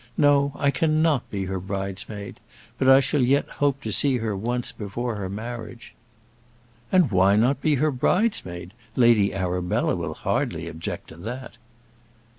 No, I cannot be her bridesmaid; but I shall yet hope to see her once before her marriage." "And why not be her bridesmaid? Lady Arabella will hardly object to that."